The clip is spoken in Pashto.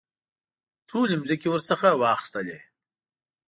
ټولې مځکې ورڅخه واخیستلې.